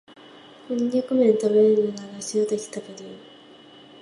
コンニャクめん食べるならシラタキ食べるよ